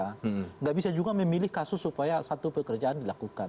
tidak bisa juga memilih kasus supaya satu pekerjaan dilakukan